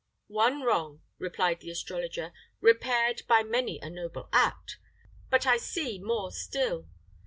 "One wrong," replied the astrologer, "repaired by many a noble act. But I see more still.